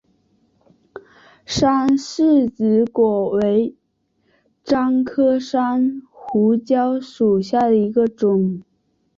山柿子果为樟科山胡椒属下的一个种。